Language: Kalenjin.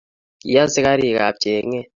ki asakarik ab chenget